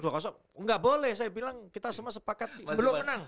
nggak boleh saya bilang kita semua sepakat belum menang